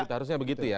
harusnya begitu ya